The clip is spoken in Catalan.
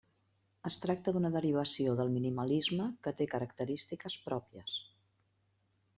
Es tracta d'una derivació del minimalisme que té característiques pròpies.